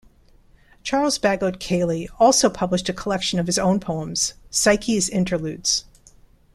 Charles Bagot Cayley also published a collection of his own poems, "Psyche's Interludes".